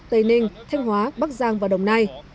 tây ninh thanh hóa bắc giang và đồng nai